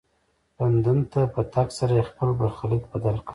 لندن ته په تګ سره یې خپل برخلیک بدل کړ.